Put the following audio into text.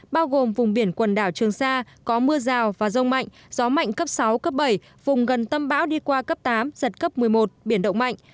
bao gồm vùng biển quần đảo trường sa có mưa rào và rông mạnh gió mạnh cấp sáu cấp bảy vùng gần tâm bão đi qua cấp tám giật cấp một mươi một biển động mạnh